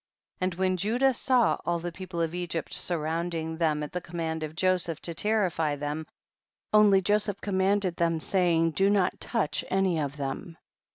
and when Judah saw all the people of Egypt surround ing them at the command of Joseph to terrify them, only Joseph com manded them, saying, do not touch any of them ; 43.